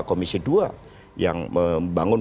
komisi dua yang membangun